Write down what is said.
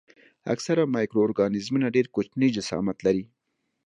اکثره مایکرو ارګانیزمونه ډېر کوچني جسامت لري.